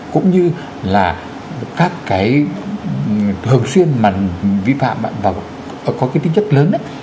cũng như là các cái thường xuyên mà vi phạm bạn đồng có cái tính chất lớn ấy